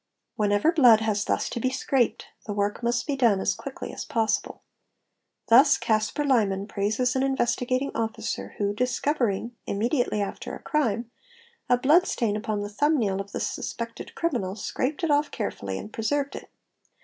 Whenever blood has thus to be scraped, the work must be done as quickly as possible. Thus Casper Liman: praises an Investigating Officer who discovering, immediately after a crime, a blood stain upon the thumb nail of the suspected criminal scraped it off carefully and preserved it.